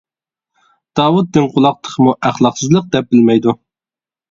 داۋۇت دىڭ قۇلاق تېخىمۇ ئەخلاقسىزلىق دەپ بىلمەيدۇ.